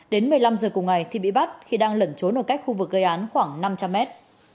đến một mươi năm giờ cùng ngày thì bị bắt khi đang lẩn trốn ở cách khu vực gây án khoảng năm trăm linh mét